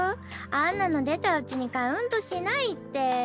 あんなの出たうちにカウントしないって。